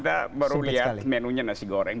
kita baru lihat menunya nasi goreng